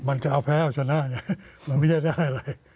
มันจะเอาแพ้เอาชนะไงมันไม่ใช่ได้อะไร